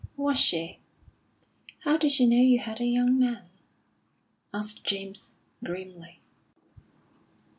"Was she? How did she know you had a young man?" asked James, grimly.